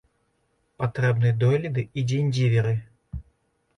патрэбны дойліды і дзеньдзівіры.